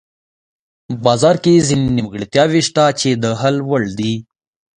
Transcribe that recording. بازار کې ځینې نیمګړتیاوې شته چې د حل وړ دي.